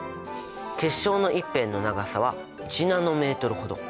結晶の一辺の長さは１ｎｍほど。